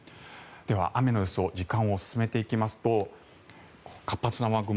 では、雨の予想時間を進めていきますと活発な雨雲